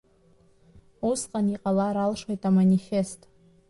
Усҟан, иҟалар алшоит, аманифест.